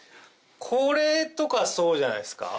これとかそうじゃないっすか？